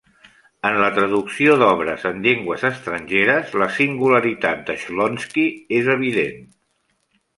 En la traducció d'obres en llengües estrangeres, la singularitat de Shlonsky és evident.